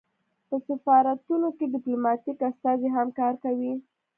په سفارتونو کې ډیپلوماتیک استازي هم کار کوي